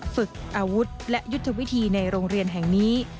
ฝึกอาวุธและยุทธวิธีในโรงเรียนแห่งนี้